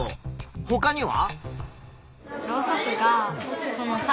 ほかには？